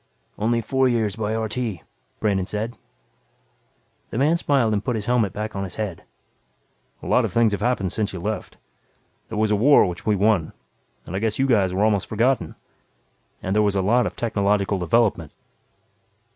"Only four years by RT," Brandon said. The man smiled and put his helmet back on his head. "A lot of things have happened since you left. There was a war which we won, and I guess you guys were almost forgotten. And there was a lot of technological development."